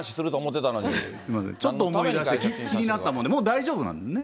ちょっと思い出して、気になったもんで、もう大丈夫なんですね。